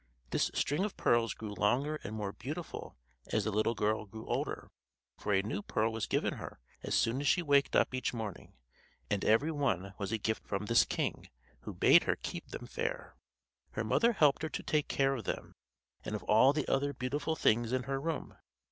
This string of pearls grew longer and more beautiful as the little girl grew older, for a new pearl was given her as soon as she waked up each morning; and every one was a gift from this king, who bade her keep them fair. Her mother helped her to take care of them and of all the other beautiful things in her room.